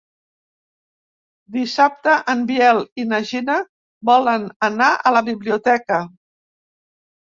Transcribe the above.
Dissabte en Biel i na Gina volen anar a la biblioteca.